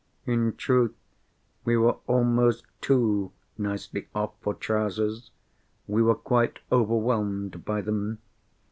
In truth, we were almost too nicely off for Trousers; we were quite overwhelmed by them.